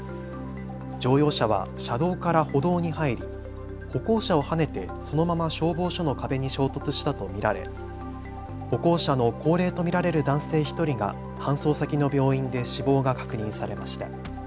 乗用車は車道から歩道に入り歩行者をはねてそのまま消防署の壁に衝突したと見られ歩行者の高齢と見られる男性１人が搬送先の病院で死亡が確認されました。